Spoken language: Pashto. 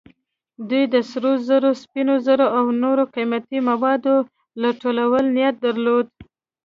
دوی د سرو زرو، سپینو زرو او نورو قیمتي موادو لوټلو نیت درلود.